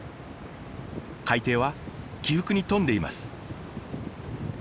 海底は起伏に富んでいます。